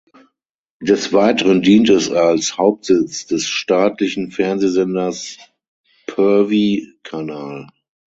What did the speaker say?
Des Weiteren dient es als Hauptsitz des staatlichen Fernsehsenders Perwy kanal.